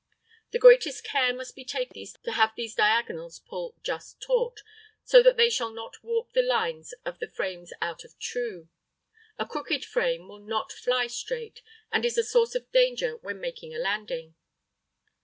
The greatest care must be taken to have these diagonals pull just taut, so that they shall not warp the lines of the frames out of true. A crooked frame will not fly straight, and is a source of danger when making a landing.